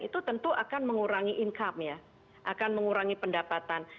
itu tentu akan mengurangi income ya akan mengurangi pendapatan